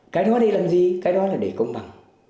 cái đó để làm gì cái đó là để công bằng